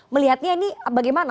melihatnya ini bagaimana